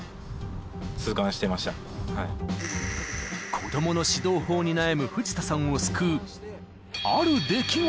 ［子供の指導法に悩む藤田さんを］